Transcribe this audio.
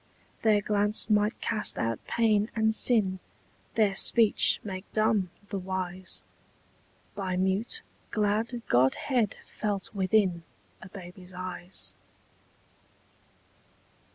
Their glance might cast out pain and sin, Their speech make dumb the wise, By mute glad godhead felt within A baby's eyes.